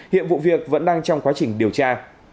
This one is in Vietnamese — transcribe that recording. hiện vụ việc vẫn đang trong quá trình điều tra